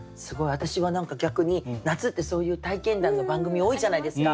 私は何か逆に夏ってそういう体験談の番組多いじゃないですか。